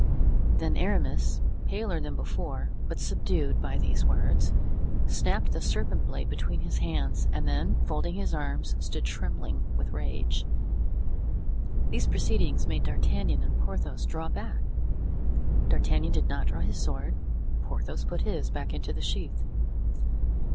Then Aramis, paler than before, but subdued by these words, snapped the serpent blade between his hands, and then folding his arms, stood trembling with rage. These proceedings made D'Artagnan and Porthos draw back. D'Artagnan did not draw his sword; Porthos put his back into the sheath.